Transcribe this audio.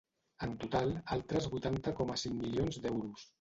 En total, altres vuitanta coma cinc milions d’euros.